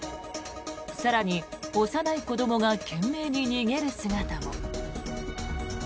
更に、幼い子どもが懸命に逃げる姿も。